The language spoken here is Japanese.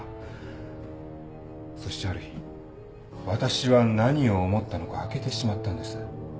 そしてある日私は何を思ったのか開けてしまったんです。